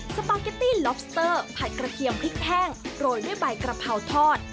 สปาเกตตี้ล็อบสเตอร์ผัดกระเทียมพริกแห้งโรยด้วยใบกระเพราทอด